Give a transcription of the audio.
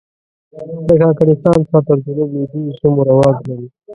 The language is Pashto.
د کاکړستان څخه تر جنوب لوېدیځو سیمو رواج لري.